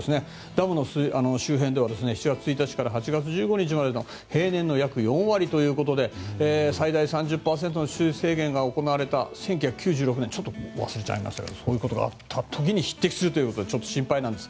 ダムの周辺では７月１日から８月１５日まで平年の約４割ということで最大３０％の取水制限が行われた１９９６年ちょっと忘れましたがそういうことがあった時に匹敵するということで心配なんです。